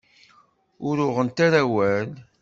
Ur uɣent ara awal.